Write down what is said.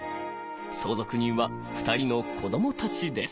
相続人は２人の子どもたちです。